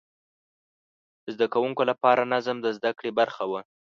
د زده کوونکو لپاره نظم د زده کړې برخه وه.